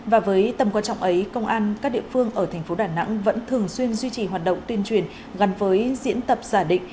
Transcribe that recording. và với tầm quan trọng ấy công an các địa phương ở thành phố đà nẵng vẫn thường xuyên duy trì hoạt động tuyên truyền gắn với diễn tập giả định